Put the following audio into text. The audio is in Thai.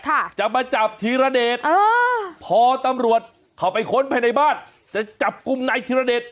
ค่ะจะมาจับธีรเดชเออพอตำรวจเข้าไปค้นภายในบ้านจะจับกลุ่มนายธิรเดช